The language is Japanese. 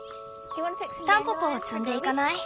タンポポを摘んでいかない？